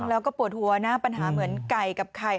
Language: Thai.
แล้วก็ปวดหัวนะปัญหาเหมือนไก่กับไข่